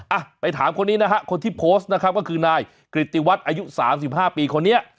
อ่ะไปถามคนนี้นะฮะคนที่โพสต์นะครับก็คือนายกริติวัตรอายุ๓๕ปีคนนี้